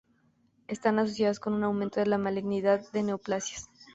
Están asociados con un aumento de la malignidad de neoplasias.